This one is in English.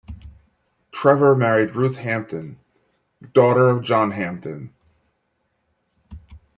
Trevor married Ruth Hampden, daughter of John Hampden.